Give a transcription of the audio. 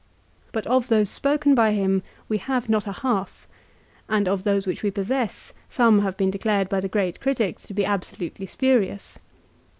But of those spoken by him we have not a half, and of those which we possess some have been declared by the great critics to be absolutely spurious.